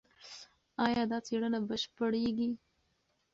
ایا دا څېړنه بشپړېږي؟